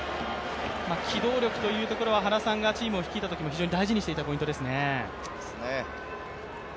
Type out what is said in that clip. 機動力というところは原さんがチームを率いてきたときから大事にしてきたポイントですね。